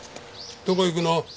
どこ行くの？